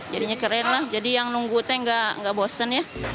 jadinya keren lah jadi yang nunggu teh nggak bosen ya